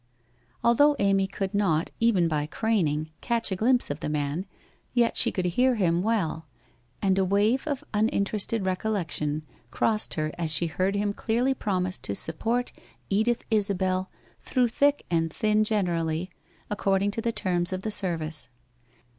Although Amy could not, even by craning, catch a glimpse of the man, yet she could hear him well, and a wave of uninterested recollection crossed her as she heard him clearly promise to support Edith Isabel through thick and thin generally, according to the terms of the service.